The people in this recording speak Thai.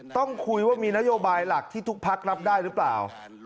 ต้องคุยว่ามีนโยบายหลักที่ทุกพักรับได้หรือเปล่า